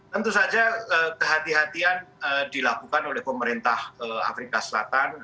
tentu saja kehatian kehatian dilakukan oleh pemerintah afrika selatan